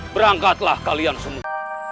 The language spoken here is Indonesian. berangkatlah kalian semua